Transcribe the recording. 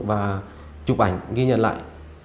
và chụp ảnh ghi nhận lại